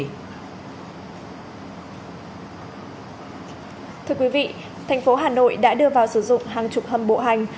thưa quý vị thành phố hà nội đã đưa vào sử dụng hàng chục hầm bộ hành